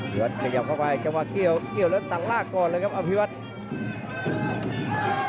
อภิวัฒน์ขยับเข้าไปกระวักเกี่ยวแล้วตังรากก่อนเลยครับอภิวัฒน์